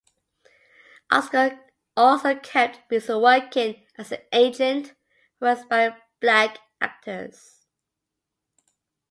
Oscar also kept busy working as an agent for aspiring black actors.